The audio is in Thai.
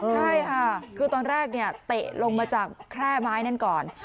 ใช่ค่ะคือตอนแรกเนี่ยเตะลงมาจากแคร่ไม้นั่นก่อน